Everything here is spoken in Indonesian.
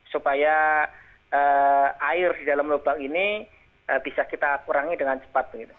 supaya air di dalam lubang ini bisa kita kurangi dengan cepat